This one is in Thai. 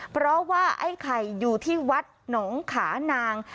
เพราะว่าไอ้ไข่อยู่ที่วัดหนองขานาง